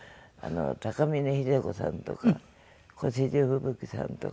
高峰秀子さんとか越路吹雪さんとか。